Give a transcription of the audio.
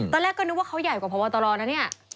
ตอนแรกก็นึกว่าเขาใหญ่กว่าพบตรนะเนี่ย